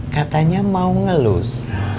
katanya mau ngelus